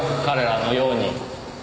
彼らのように。